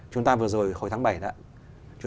chúng ta vừa rồi hồi tháng bảy đó